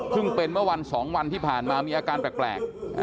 เพิ่งเป็นเมื่อ๒วันนี้ผ่านมาแล้วมีอาการแปลก